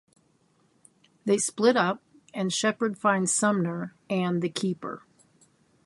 They split up, and Sheppard finds Sumner and the Keeper.